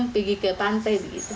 pergi ke pantai